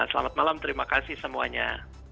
selamat malam terima kasih semuanya